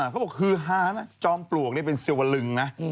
ฮือฮานะจอมปลวกนี่เป็นสิวลึงนะ